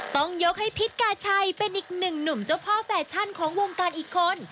ต้องยกให้พิษกาชัยเป็นอีกหนึ่งหนุ่มเจ้าพ่อแฟชั่นของวงการอีกคน